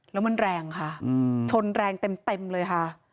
แล้วมันแรงค่ะชนแรงเต็มเลยค่ะ